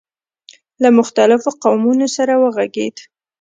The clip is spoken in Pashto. له مختلفو قومونو سره وغږېد.